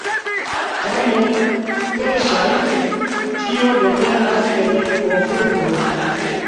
Tamen, verŝajne tio devenas el konfuzo.